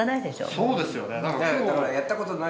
そうですよね。